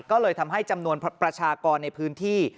ก็เลยทำให้จำนวนประชากรในพื้นที่